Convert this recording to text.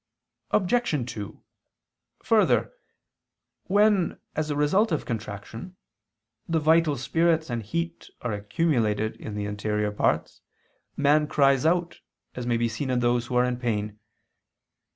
Obj. 2: Further, when, as a result of contraction, the vital spirits and heat are accumulated in the interior parts, man cries out, as may be seen in those who are in pain.